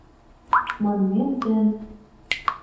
Манмет ден